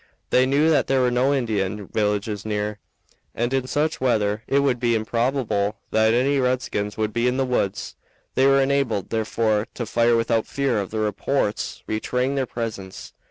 They knew that there were no Indian villages near, and in such weather it would be improbable that any redskins would be in the woods. They were enabled, therefore, to fire without fear of the reports betraying their presence.